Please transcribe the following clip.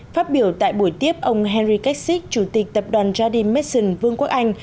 phát biểu tại buổi tiếp ông henry caxick chủ tịch tập đoàn jadimesson vương quốc anh